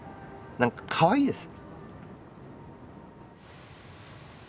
なんかかわいいです。